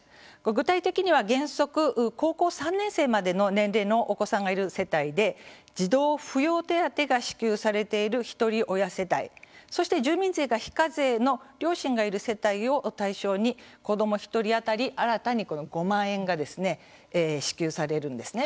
具体的には原則、高校３年生までの年齢のお子さんがいる世帯で児童扶養手当が支給されているひとり親世帯そして住民税が非課税の両親がいる世帯を対象に子ども１人当たり、新たに５万円が支給されるんですね。